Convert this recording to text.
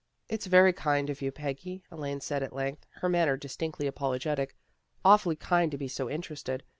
" It's very kind of you, Peggy," Elaine said at length, her manner distinctly apologetic. " Awfully kind to be so interested.